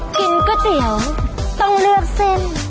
กินก๋วยเตี๋ยวต้องเลือกเส้น